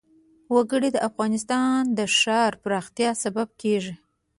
وګړي د افغانستان د ښاري پراختیا سبب کېږي.